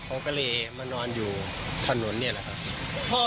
เขาก็เลยมานอนอยู่ถนนนี่แหละครับ